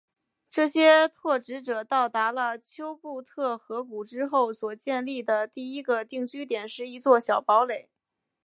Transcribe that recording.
这些拓殖者到达了丘布特河谷之后所建立的第一个定居点是一座小堡垒。